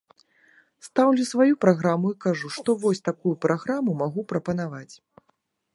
Стаўлю сваю праграму і кажу, што вось такую праграму магу прапанаваць.